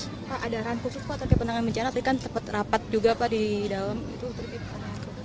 pak ada rantus rantus tentang penanganan bencana tapi kan tepat rapat juga pak di dalam